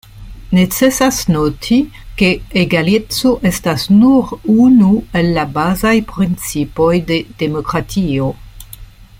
Necesas noti, ke egaleco estas nur unu el la bazaj principoj de demokratio.